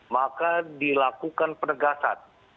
maka dilakukan penegasan